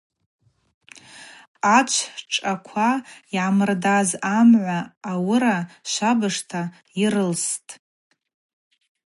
Ачв шӏаква йамырдаз амгӏва ауыра швабыжта йрылстӏ.